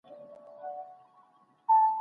مشران پر مهمو موضوعاتو بحثونه کوي.